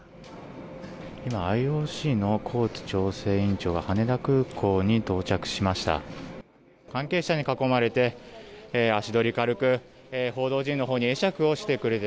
ＩＯＣのコーツ調整委員長が羽田空港に到着しました。